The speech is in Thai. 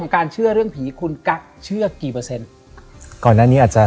การเชื่อเรื่องผีคุณกั๊กเชื่อกี่เปอร์เซ็นต์ก่อนหน้านี้อาจจะ